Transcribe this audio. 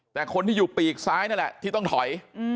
แต่คนที่อยู่ปีกซ้ายนั่นแหละที่ต้องถอย